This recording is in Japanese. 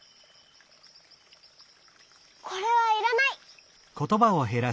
これはいらない。